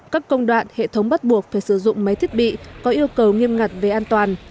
các công đoạn hệ thống bắt buộc phải sử dụng máy thiết bị có yêu cầu nghiêm ngặt về an toàn